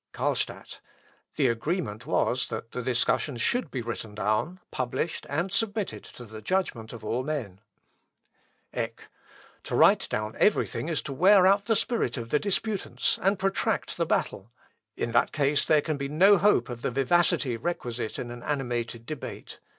Carlstadt. "The agreement was, that the discussion should be written down, published, and submitted to the judgment of all men." Eck. "To write down every thing is to wear out the spirit of the disputants, and protract the battle. In that case there can be no hope of the vivacity requisite in an animated debate.